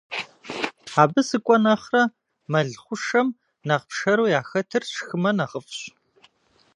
Абы сыкӀуэ нэхърэ, мэл хъушэм нэхъ пшэру яхэтыр сшхымэ нэхъыфӀщ.